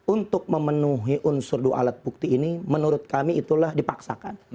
untuk memenuhi unsur dua alat bukti ini menurut kami itulah dipaksakan